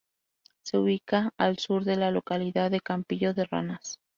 Se ubica al sur de la localidad de Campillo de Ranas.